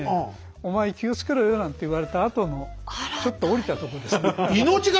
「お前気をつけろよ」なんて言われたあとのちょっと下りたとこですね。